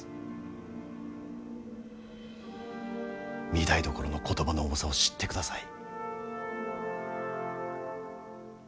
御台所の言葉の重さを知ってください。